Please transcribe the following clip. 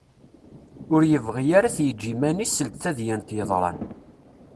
Ur yebɣi ara ad t-yeǧǧ iman-is seld tadyant yeḍran.